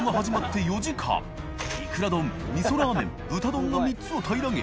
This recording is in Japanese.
この礇ぅ蚩味噌ラーメン豚丼の３つを平らげ